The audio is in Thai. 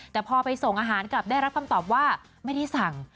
แต่พอไปส่งอาหารกลับได้รับคำตอบว่าไม่ได้สั่ง